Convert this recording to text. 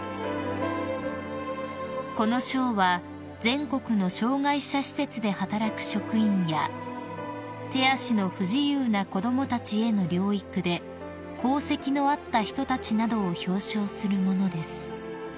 ［この賞は全国の障害者施設で働く職員や手足の不自由な子供たちへの療育で功績のあった人たちなどを表彰するものです］